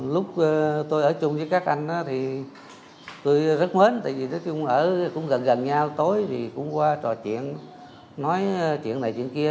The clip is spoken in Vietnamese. lúc tôi ở chung với các anh thì tôi rất mến tại vì ở gần gần nhau tối thì cũng qua trò chuyện nói chuyện này chuyện kia